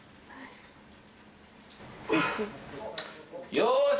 よし！